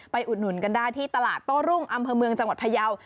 อุดหนุนกันได้ที่ตลาดโต้รุ่งอำเภอเมืองจังหวัดพยาว